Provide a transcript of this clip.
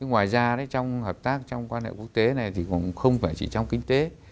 ngoài ra trong hợp tác trong quan hệ quốc tế này thì cũng không phải chỉ trong kinh tế